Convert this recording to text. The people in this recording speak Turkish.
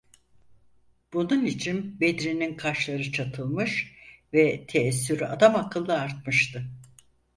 Bunun için Bedri’nin kaşları çatılmış ve teessürü adamakıllı artmıştı.